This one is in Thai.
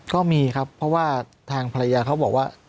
ก็มีครับเพราะว่าทางภรรยาเขาบอกว่า